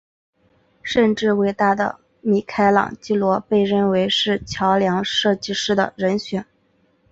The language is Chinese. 甚至伟大的米开朗基罗被认为是桥梁设计师的人选。